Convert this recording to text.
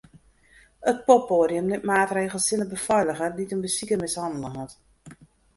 It poppoadium nimt maatregels tsjin de befeiliger dy't in besiker mishannele hat.